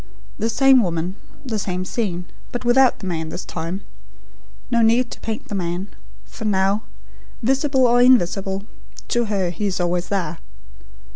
"The same woman; the same scene; but without the man, this time. No need to paint the man; for now visible or invisible to her, he is always there.